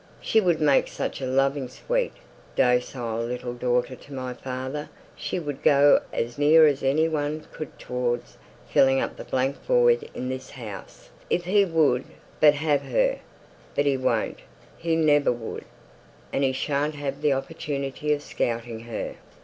"She would make such a loving, sweet, docile little daughter to my father she would go as near as any one could towards filling up the blank void in this house, if he would but have her; but he won't; he never would; and he sha'n't have the opportunity of scouting her.